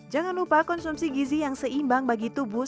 jangan lupa konsumsi gizi yang seimbang bagi tubuh